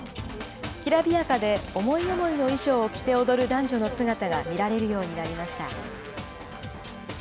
きらびやかで思い思いの衣装を着て踊る男女の姿が見られるようになりました。